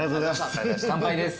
乾杯です。